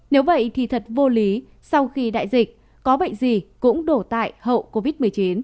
nếu vậy thì thật vô lý sau khi đại dịch có bệnh gì cũng đổ tại hậu covid một mươi chín